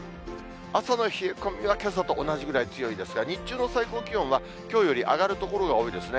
朝の冷え込みはけさと同じくらい強いですが、日中の最高気温は、きょうより上がる所が多いですね。